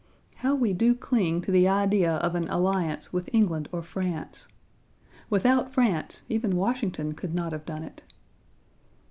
How we do cling to the idea of an alliance with England or France! Without France even Washington could not have done it.